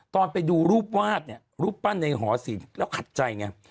ตอนไปดูรูปวาดเนี่ยรูปปั้นในหอศิลป์แล้วขัดใจไง